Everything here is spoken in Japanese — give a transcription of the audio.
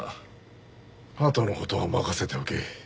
あとの事は任せておけ。